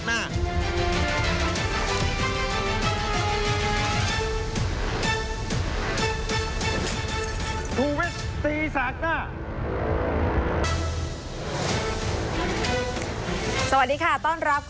สวัสดีครับ